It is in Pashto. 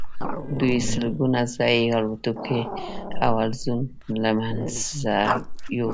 دوی سلګونه ځايي الوتونکي او حلزون له منځه یوړل.